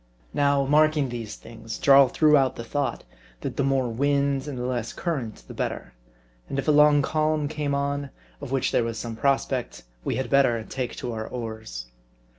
Now, marking these things, Jarl threw out the thought, that the more wind, and the less current, the better ; and if a long calm came on, of which there was some prospect, we had better take to our oars.